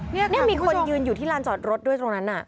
นี่ค่ะคุณผู้ชมนี่มีคนยืนอยู่ที่ร้านจอดรถด้วยตรงนั้นน่ะ